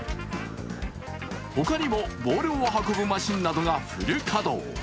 他にもボールを運ぶマシンなどがフル稼働。